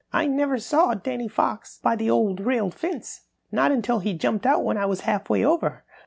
"I never saw Danny Fox by the Old Rail Fence not until he jumped out when I was half way over.